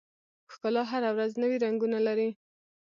ښکلا هره ورځ نوي رنګونه لري.